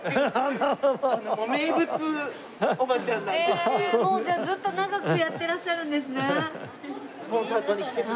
へえもうじゃあずっと長くやってらっしゃるんですね。